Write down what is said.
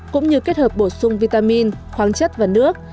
cũng như kết hợp bổ sung vitamin khoáng chất và nước